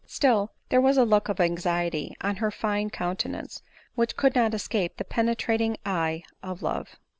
Still there was a look of anxiety on her fine counte nance, which could not escape the penetrating eye of love.